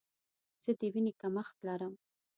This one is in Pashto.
زه د ویني کمښت لرم.